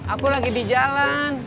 aku lagi di jalan